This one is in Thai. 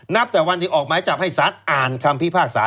แต่วันที่ออกหมายจับให้สารอ่านคำพิพากษา